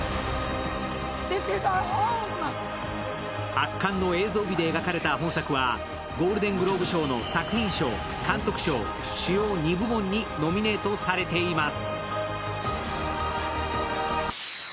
圧巻の映像美で描かれた本作は、ゴールデン・グローブ賞の作品賞・監督賞主要２部門にノミネートされています。